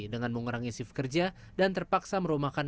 dengan mengurangi shift kerja dan terpaksa merumahkan